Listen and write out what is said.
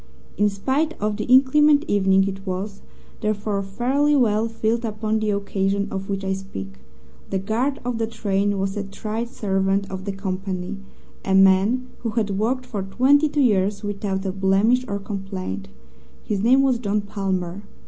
In spite of the inclement evening it was, therefore, fairly well filled upon the occasion of which I speak. The guard of the train was a tried servant of the company a man who had worked for twenty two years without a blemish or complaint. His name was John Palmer.